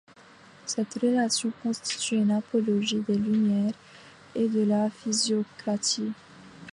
Cette relation constitue une apologie des Lumières et de la physiocratie.